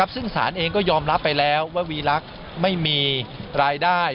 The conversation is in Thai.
ซึ่งสารเองก็ยอมรับไปแล้วว่าวีลักษณ์ไม่มีรายได้